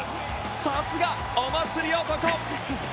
さすが、お祭り男！